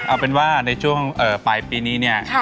เอาเป็นว่าในช่วงปลายปีนี้เนี่ย